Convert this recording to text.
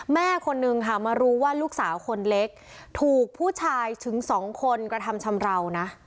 แม่คนนึงค่ะมารู้ว่าลูกสาวคนเล็กถูกผู้ชายถึงสองคนกระทำชำราวนะ